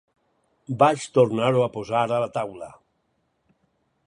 Vaig tornar-ho a posar a la taula.